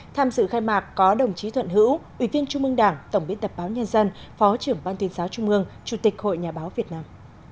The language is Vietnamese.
tham dự khai mạc có đồng chí thuận hữu ủy viên trung mương đảng tổng biên tập báo nhân dân phó trưởng ban tuyên giáo trung mương chủ tịch hội nhà báo việt nam